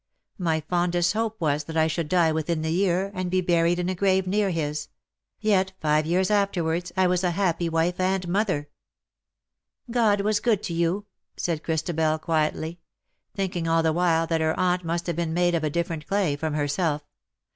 My fondest hope was that I should die within the year, and be buried in a grave near his — yet five years afterwards I was a happy wife and mother/^ '^ God was good to you," said Christabel, quietly, thinking all the while that her aunt must have been made of a different clay from herself.